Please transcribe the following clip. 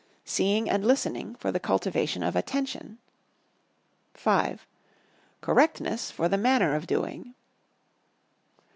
Seeing and listening for the cultivation of Attention. V. Correctness for the Manner of doing.